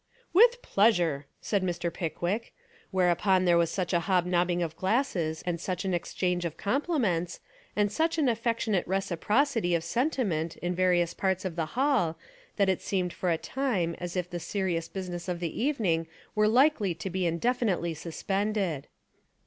"With pleasure," said Mr. Pickwick. Whereupon there was such a hobnobbing of glasses and such an exchange of compliments, and such an affectionate reciprocity of senti ment in various parts of the hall that it seemed for a time as if the serious business of the even ing were likely to be indefinitely suspended.